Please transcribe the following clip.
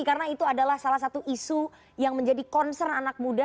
karena itu adalah salah satu isu yang menjadi concern anak muda